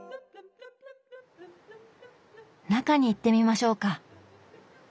中に行ってみましょうか。